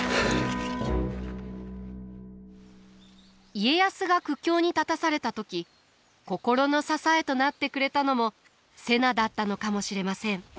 家康が苦境に立たされた時心の支えとなってくれたのも瀬名だったのかもしれません。